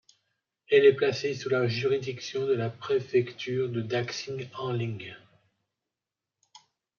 Elle est placée sous la juridiction de la préfecture de Daxing'anling.